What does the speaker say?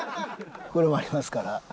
これもありますから。